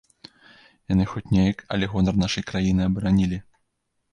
Яны хоць неяк, але гонар нашай краіны абаранілі.